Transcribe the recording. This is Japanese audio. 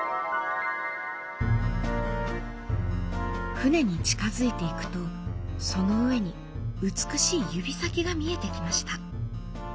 船に近づいていくとその上に美しい指先が見えてきました。